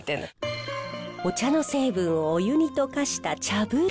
お茶の成分をお湯に溶かした茶風呂。